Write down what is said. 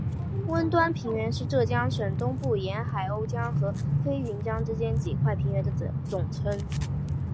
温瑞平原是浙江省东南沿海瓯江和飞云江之间几块平原的总称。